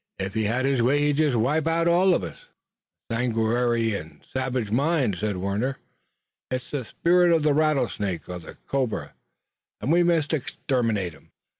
Ef he had his way he'd jest wipe us all out." "A sanguinary and savage mind," said Warner. "It's the spirit of the rattlesnake or the cobra, and we must exterminate him.